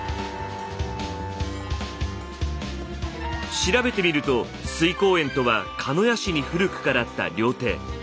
調べてみると翠光園とは鹿屋市に古くからあった料亭。